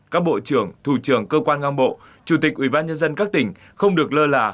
các bộ trưởng thủ trưởng cơ quan ngang bộ chủ tịch ủy ban nhân dân các tỉnh không được lơ là